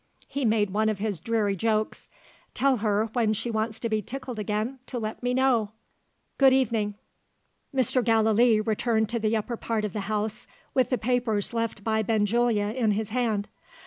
He made one of his dreary jokes. "Tell her, when she wants to be tickled again, to let me know. Good evening!" Mr. Gallilee returned to the upper part of the house, with the papers left by Benjulia in his hand.